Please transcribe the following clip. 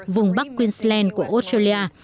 vùng bắc queensland của australia